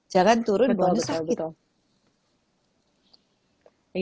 jangan turun bonus sakit